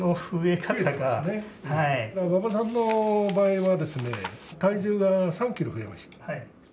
だから馬場さんの場合はですね、体重が３キロ増えました。